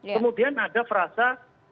kemudian ada perasa